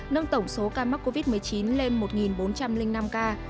nâng tổng số ca mắc covid một mươi chín lên một bốn trăm linh năm ca